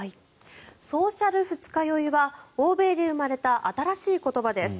ソーシャル二日酔いは欧米で生まれた新しい言葉です。